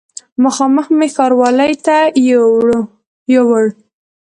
مخامخ مې ښاروالي ته یووړ.